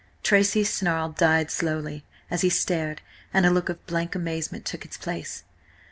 Tracy's snarl died slowly away as he stared, and a look of blank amazement took its place.